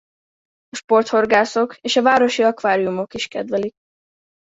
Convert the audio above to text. A sporthorgászok és a városi akváriumok is kedvelik.